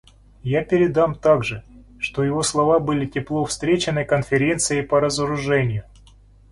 Я передам также, что его слова были тепло встречены Конференцией по разоружению.